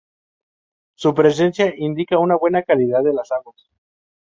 Su presencia indica una buena calidad de las aguas.